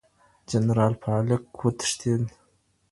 جنرال پالک وتښتېد